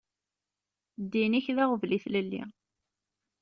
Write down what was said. Ddin-ik d aɣbel i tlelli.